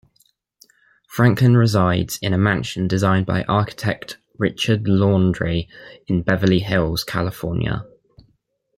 Franklin resides in a mansion designed by architect Richard Landry in Beverly Hills, California.